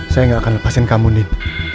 saya gak akan lepasin kamu nin